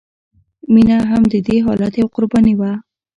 مینه هم د دې حالت یوه قرباني وه